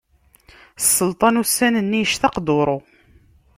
Sselṭan ussan-nni yectaq duṛu.